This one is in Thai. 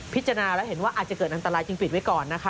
พิจารณาแล้วเห็นว่าอาจจะเกิดอันตรายจึงปิดไว้ก่อนนะคะ